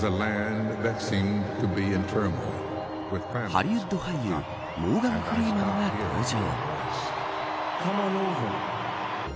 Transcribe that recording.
ハリウッド俳優モーガン・フリーマンが登場。